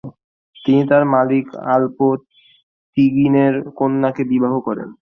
তিনি তার মালিক আল্প তিগিনের কন্যাকে বিবাহ করেন।